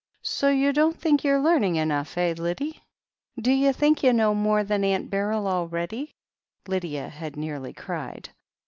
"So you don't think you're learning enough, eh, Lyddie? D'you think you know more than Aunt Beryl already?" Lydia had nearly cried.